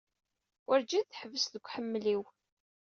Werǧin teḥbis deg uḥemmel-iw.